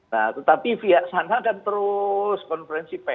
nah tetapi via sana kan terus konferensi pass